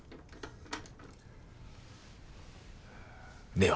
では。